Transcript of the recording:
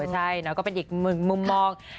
ใช่ก็เป็นอีกมึงมมอง